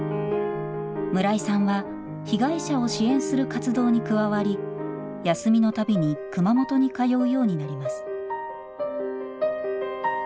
村井さんは被害者を支援する活動に加わり休みの度に熊本に通うようになります。